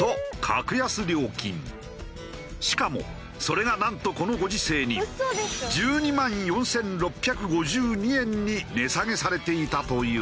しかもそれがなんとこのご時世に１２万４６５２円に値下げされていたというのだ。